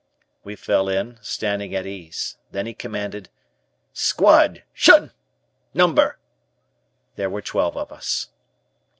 We fell in, standing at ease. Then he commanded. "Squad 'Shun! Number!" There were twelve of us.